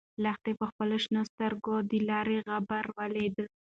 لښتې په خپلو شنه سترګو کې د لارې غبار ولید.